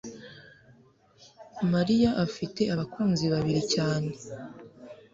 mariya afite abakunzi babiri cyane